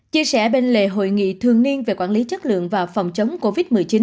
chia sẻ bên lề hội nghị thường niên về quản lý chất lượng và phòng chống covid một mươi chín